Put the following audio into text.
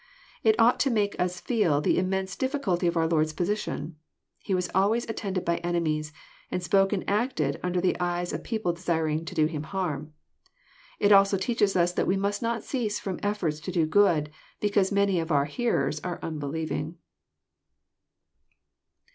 It ought to make us feel the im mense difficulty of our Lord's position* He was always at tended by enemies, and spoke and acted under the eyes of peo ple desiring to do Him harm. It also teadies^^s that we must not cease (Vom efforts to do good, because many of our hearers are unbelieving.